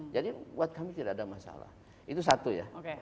jadi buat kami tidak ada masalah itu satu ya